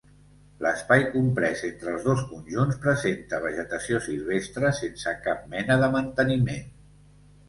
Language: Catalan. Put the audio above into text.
L'espai comprès entre els dos conjunts presenta vegetació silvestre, sense cap mena de manteniment.